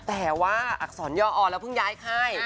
แต่ว่าอักษรย่ออแล้วเพิ่งย้ายค่าย